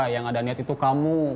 yang ada niat itu kamu